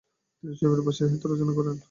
তিনি সুয়েডীয় ভাষায় সাহিত্য রচনা করতেন।